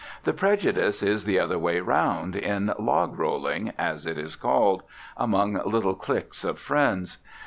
The prejudice is the other way round, in "log rolling," as it is called, among little cliques of friends.